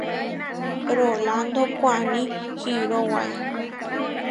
Rolando koʼáni hirówae.